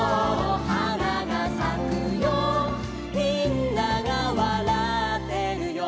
「みんながわらってるよ」